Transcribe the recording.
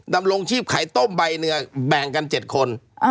ดำรงชีพขายต้มใบหนึ่งแบ่งกัน๗คน